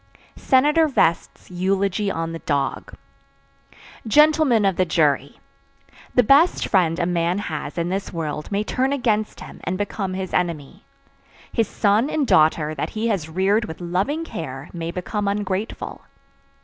SENATOR VEST'S EULOGY ON THE DOG. "Gentlemen of the Jury: The best friend a man has in this world may turn against him and become his enemy. His son and daughter that he has reared with loving care may become ungrateful.